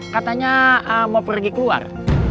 katanya mau pergi keluar